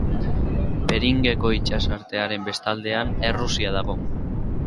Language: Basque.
Beringeko itsasartearen bestaldean, Errusia dago.